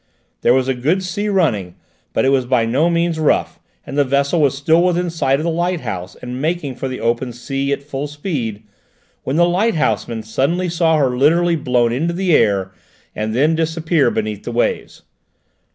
There was a good sea running, but it was by no means rough, and the vessel was still within sight of the lighthouse and making for the open sea at full speed, when the lighthousemen suddenly saw her literally blown into the air and then disappear beneath the waves.